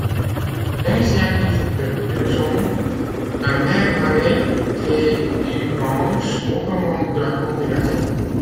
À l’initiative de Turgeon, la Mère Mallet crée une branche autonome de la congrégation.